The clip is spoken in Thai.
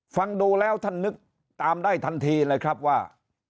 ฟังดูแล้วท่านนึกตามได้ทันทีเลยครับว่า